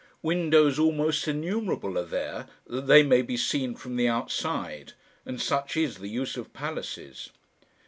Windows almost innumerable are there, that they may be seen from the outside and such is the use of palaces.